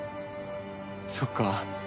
そっか。